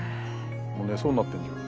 もう寝そうになってんじゃん。